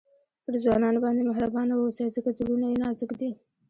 پر ځوانانو باندي مهربانه واوسئ؛ ځکه زړونه ئې نازک دي.